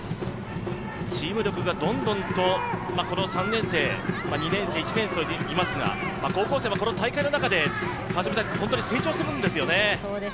チーム力がどんどんと３年生、２年生、１年生といますが高校生もこの大会の中で成長するんですよね。